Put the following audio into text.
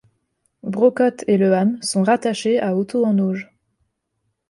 Brocotte et Le Ham sont rattachés à Hotot-en-Auge.